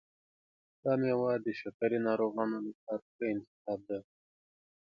دا میوه د شکرې ناروغانو لپاره ښه انتخاب دی.